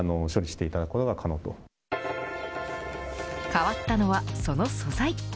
変わったのは、その素材。